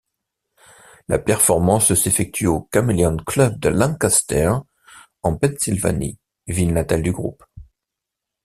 La performance s'effectue au Chameleon Club de Lancaster, en Pennsylvanie, ville natale du groupe.